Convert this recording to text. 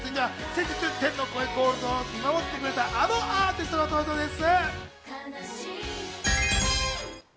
先日、天の声ゴールドを見守ってくれた、あのアーティストの登場です。